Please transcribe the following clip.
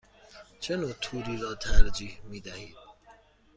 چه نوع توری را ترجیح می دهید؟